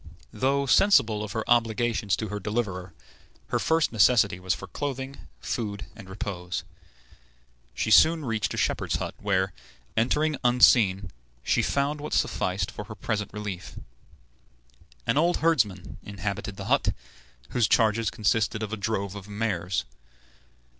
Though sensible of her obligations to her deliverer, her first necessity was for clothing, food, and repose. She soon reached a shepherd's hut, where, entering unseen, she found what sufficed for her present relief. An old herdsman inhabited the hut, whose charges consisted of a drove of mares.